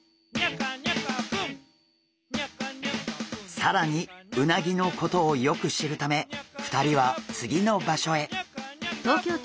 更にうなぎのことをよく知るため２人は次の場所へ。